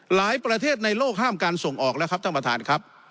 หลายประเทศในโลกห้ามการส่งออกแล้วครับท่านประธานครับ